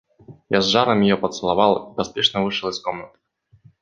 Я с жаром ее поцеловал и поспешно вышел из комнаты.